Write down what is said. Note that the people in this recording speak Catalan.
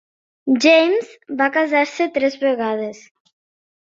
James va casar-se tres vegades.